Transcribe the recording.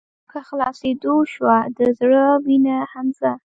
په خلاصيدو شــوه د زړه وينه حمزه